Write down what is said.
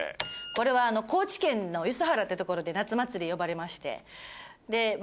これは高知県のゆすはらっていう所で夏祭り呼ばれまして。